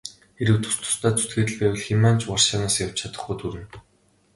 Хэрвээ тус тусдаа зүтгээд л байвал хэн маань ч Варшаваас явж чадахгүйд хүрнэ.